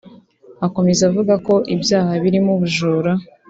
Akomeza avuga ko ibyaha birimo ubujura